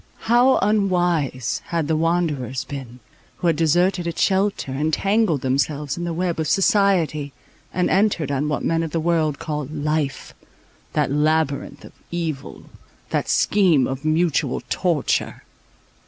How unwise had the wanderers been, who had deserted its shelter, entangled themselves in the web of society, and entered on what men of the world call "life,"—that labyrinth of evil, that scheme of mutual torture.